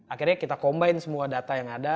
akhirnya kita combine semua data yang ada